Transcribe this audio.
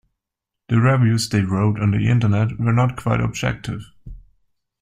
The reviews they wrote on the Internet were not quite objective.